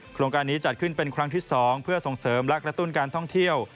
โครงการนี้จัดขึ้นเป็นครั้งที่๒เพื่อส่งเสริมและกระตุ้นการท่องเที่ยว